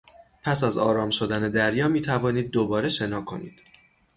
پس از آرام شدن دریا میتوانید دوباره شنا کنید.